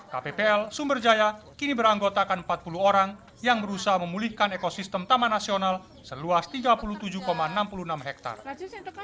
kppl sumberjaya kini beranggotakan empat puluh orang yang berusaha memulihkan ekosistem taman nasional seluas tiga puluh tujuh enam puluh enam hektare